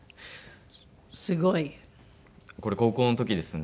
すごい。これ高校の時ですね。